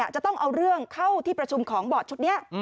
จะต้องเอาเรื่องเข้าที่ประชุมของบอร์ดชุดนี้